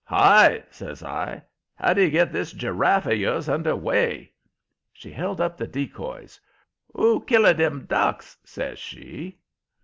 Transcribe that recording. "Hi!" says I. "How do you get this giraffe of yours under way?" She held up the decoys. "Who kill a dem ducks?" says she.